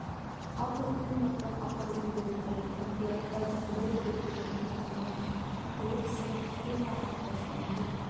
Ҡапыл төньяҡтан аҡырып ебәрҙеләр һәм пираттарҙың бер төркөмө, урмандан атылып сығып, ҡоймаға ташланды.